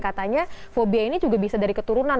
katanya fobia ini juga bisa dari keturunan